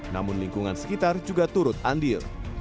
namun lingkungan sekitar juga turut andil